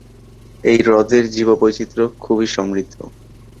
এই হ্রদের জীব বৈচিত্র্য খুবই সমৃদ্ধ।